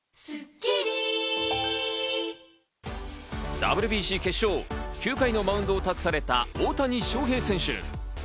ＷＢＣ決勝、９回のマウンドを託された大谷翔平選手。